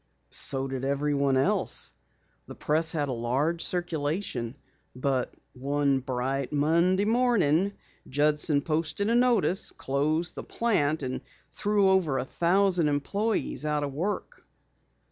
"So did everyone else. The Press had a large circulation. But one bright Monday morning Judson posted a notice, closed the plant, and threw over a thousand employes out of work."